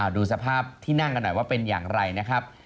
ดูสภาพที่นั่งกันหน่อยว่าเป็นอย่างไรนะครับ